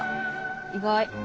意外！